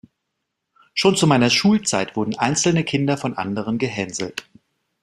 Schon zu meiner Schulzeit wurden einzelne Kinder von anderen gehänselt.